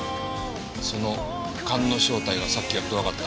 その勘の正体がさっきやっとわかった。